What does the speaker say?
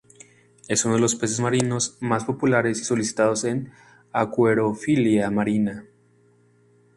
Es uno de los peces marinos más populares y solicitados en acuariofilia marina.